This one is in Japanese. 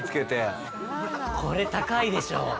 これ高いでしょ。